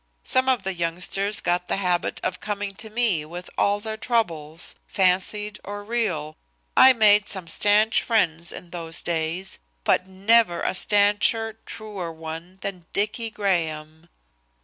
Some of the youngsters got the habit of coming to me with all their troubles, fancied or real. I made some stanch friends in those days, but never a stancher, truer one than Dicky Graham.